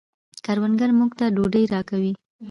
کروندګر موږ ته ډوډۍ راکوي